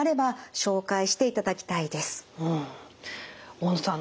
大野さん